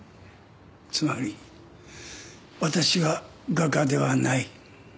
つまり私は画家ではない。